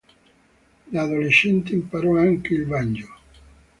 Da adolescente imparò anche il banjo.